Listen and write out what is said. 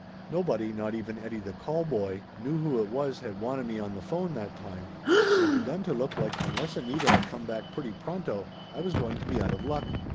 Nobody, not even Eddie the callboy, knew who it was had wanted me on the phone that time, and it begun to look like unless Anita come back pretty pronto, I was going to be out of luck.